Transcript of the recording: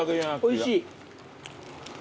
おいしい。